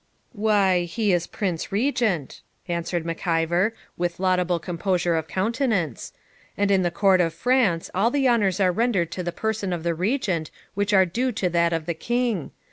'Why, he is Prince Regent,' answered Mac Ivor, with laudable composure of countenance; 'and in the court of France all the honours are rendered to the person of the Regent which are due to that of the King.